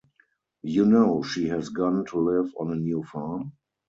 You know she has gone to live on a new farm?